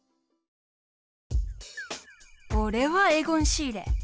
おれはエゴン・シーレ。